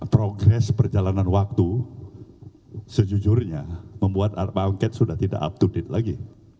progres perjalanan waktu sejujurnya membuat pak angket sudah tidak up to date lagi